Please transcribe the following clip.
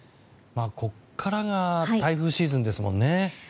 ここからが台風シーズンですもんね。